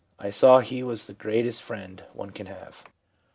I saw He was the greatest Friend one can have.'